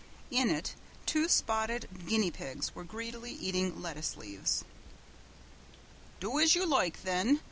In it two spotted guinea pigs were greedily eating lettuce leaves. "Do as you loike, then!"